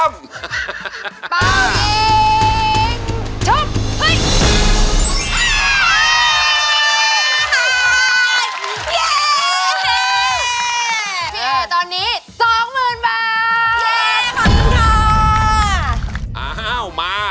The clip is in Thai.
พร้อม